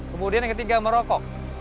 kemudian yang ketiga merokok